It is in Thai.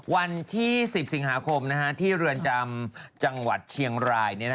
วันที่๑๐สิงหาคมที่เรือนจำจังหวัดเชียงราย